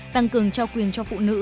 tăng cường trao quyền cho phụ nữ